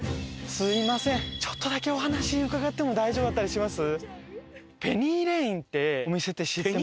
すいませんちょっとだけお話伺っても大丈夫だったりします？